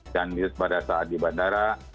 pada saat di bandara